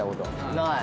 ない。